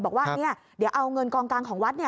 บอกว่าเดี๋ยวเอาเงินกองกลางของวัด